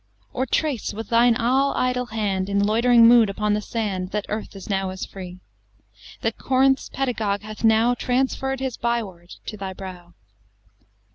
Or trace with thine all idle hand In loitering mood upon the sand That Earth is now as free! That Corinth's pedagogue hath now Transferr'd his by word to thy brow.